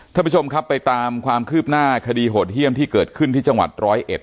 ท่านผู้ชมครับไปตามความคืบหน้าคดีโหดเยี่ยมที่เกิดขึ้นที่จังหวัดร้อยเอ็ด